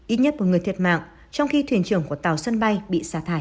ít nhất một người thiệt mạng trong khi thuyền trưởng của tàu sân bay bị xả thải